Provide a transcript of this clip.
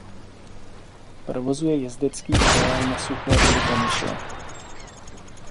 Provozuje jezdecký areál na Suché u Litomyšle.